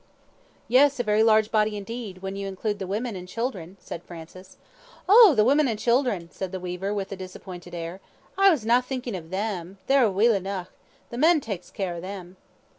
"Yes, a very large body indeed, when you include the women and children," said Francis. "Oh! the women and children," said the weaver, with a disappointed air, "I was na thinking of them; they are weel enuch the men taks care o' them."